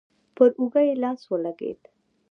پر اوږه يې لاس ولګېد.